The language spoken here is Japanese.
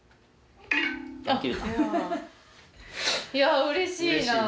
いやあうれしいなあ。